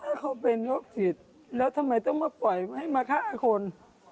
ถ้าเขาเป็นโรคจิตแล้วทำไมต้องมาปล่อยให้มาฆ่าคน